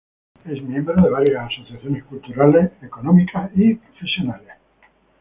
Es miembro de varias asociaciones culturales, económicas y profesionales.